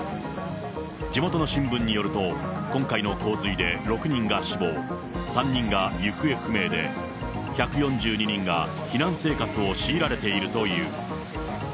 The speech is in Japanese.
地元の新聞によると、今回の洪水で６人が死亡、３人が行方不明で、１４２人が避難生活を強いられているという。